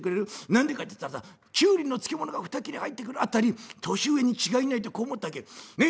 何でかって言ったらさキュウリの漬物が２切れ入ってくる辺り年上に違いないとこう思ったわけ。ね？